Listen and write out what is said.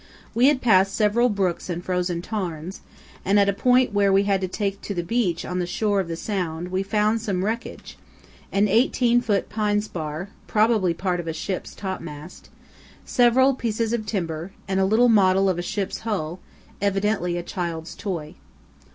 We had passed several brooks and frozen tarns, and at a point where we had to take to the beach on the shore of the sound we found some wreckage—an 18 ft. pine spar (probably part of a ship's topmast), several pieces of timber, and a little model of a ship's hull, evidently a child's toy.